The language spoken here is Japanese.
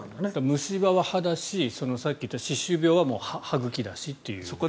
虫歯は歯だしさっき言った歯周病は歯茎だしという。